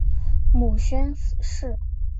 母宣氏。